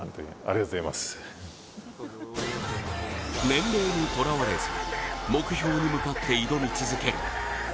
年齢にとらわれず目標に向かって挑み続ける。